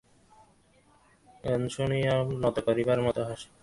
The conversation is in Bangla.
গান শুনিয়া বিভা মুখ নত করিয়া হাসিল।